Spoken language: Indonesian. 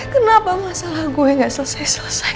kenapa masalah gue gak selesai selesai